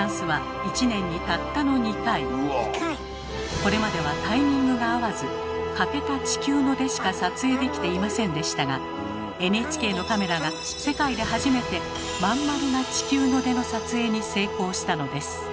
これまではタイミングが合わず欠けた「地球の出」しか撮影できていませんでしたがＮＨＫのカメラが世界で初めて「真ん丸な地球の出」の撮影に成功したのです。